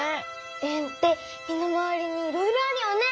円って身の回りにいろいろあるよね。